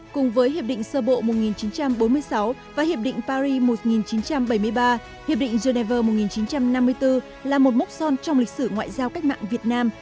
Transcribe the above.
cùng với hiệp định sơ bộ một nghìn chín trăm bốn mươi sáu và hiệp định paris một nghìn chín trăm bảy mươi ba hiệp định geneva một nghìn chín trăm năm mươi bốn là một mốc son trong lịch sử ngoại giao cách mạng việt nam